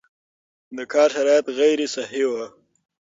د کار شرایط غیر صحي وو